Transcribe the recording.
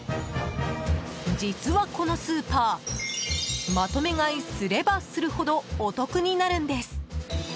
実はこのスーパーまとめ買いすればするほどお得になるんです。